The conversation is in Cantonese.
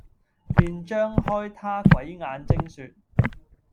便張開他鬼眼睛説，